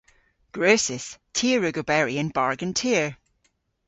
Gwrussys. Ty a wrug oberi yn bargen tir.